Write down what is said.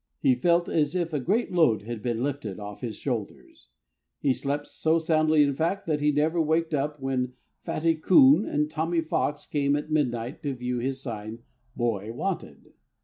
He felt as if a great load had been lifted off his shoulders. He slept so soundly, in fact, that he never waked up all when Fatty Coon and Tommy Fox came at midnight to view his sign, "Boy Wanted."